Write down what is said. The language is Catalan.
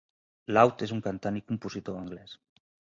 Loud és un cantant i compositor anglès.